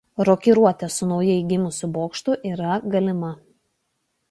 Rokiruotė su naujai gimusiu bokštu yra galima.